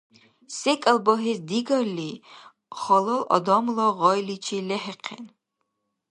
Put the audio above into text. СекӀал багьес дигалли, халал адамла гъайличи лехӀихъен.